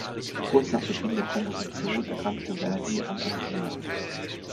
Kurz nach Beginn der Komposition erkrankte Verdi an Angina.